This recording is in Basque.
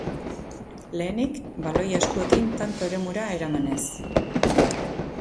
Lehenik, baloia eskuekin tanto-eremura eramanez.